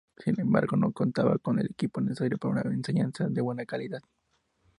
Sin embargo, no contaba con el equipo necesario para una enseñanza de buena calidad.